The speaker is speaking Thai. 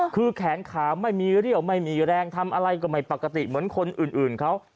คือแขนขาไม่มีเรี่ยวไม่มีแรงทำอะไรก็ไม่ปกติเหมือนคนอื่นเขา